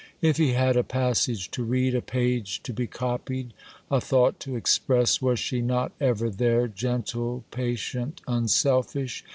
If he had a passage to read, a page to be copied, a thought to express, was she not ever there, gentle, patient, unselfish?